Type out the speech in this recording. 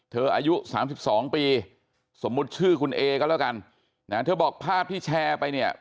อายุ๓๒ปีสมมุติชื่อคุณเอก็แล้วกันนะเธอบอกภาพที่แชร์ไปเนี่ย